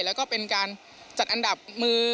แล้วก็เป็นการจัดอันดับมือ